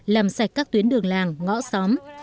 làm sạch các tuyến đường làng ngõ xóm